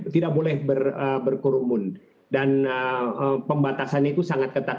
tidak boleh berkurumun dan pembatasannya itu sangat ketat